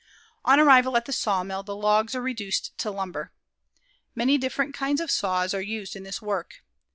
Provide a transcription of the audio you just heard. On arrival at the sawmill, the logs are reduced to lumber. Many different kinds of saws are used in this work.